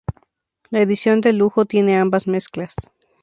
La edición de lujo tiene ambas mezclas.